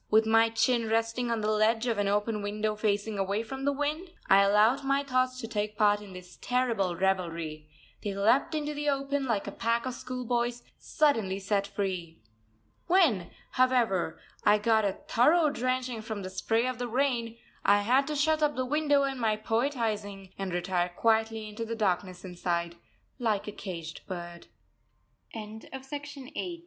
With my chin resting on the ledge of an open window facing away from the wind, I allowed my thoughts to take part in this terrible revelry; they leapt into the open like a pack of schoolboys suddenly set free. When, however, I got a thorough drenching from the spray of the rain, I had to shut up the window and my poetising, and retire quietly into the darkness inside, like a caged bird. SHAZADPUR. June 1891.